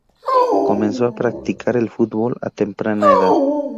Comenzó a practicar el fútbol a temprana edad.